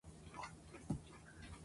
関東上流江戸桜